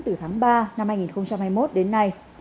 từ tháng ba năm hai nghìn hai mươi một đến nay